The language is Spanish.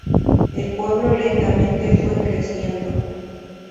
El pueblo lentamente fue creciendo.